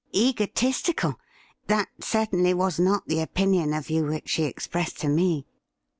'Egotistical.? That certainly was not the opinion of you which she expressed to me.'